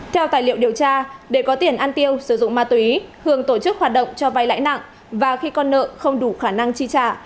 theo tài liệu điều tra để có tiền ăn tiêu sử dụng ma túy hường tổ chức hoạt động cho vay lãi nặng và khi con nợ không đủ khả năng chi trả